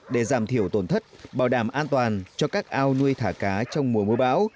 để giảm thiểu tổn thất bảo đảm an toàn cho các ao nuôi thả cá trong mùa mưa bão